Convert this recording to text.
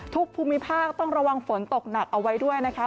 ภูมิภาคต้องระวังฝนตกหนักเอาไว้ด้วยนะคะ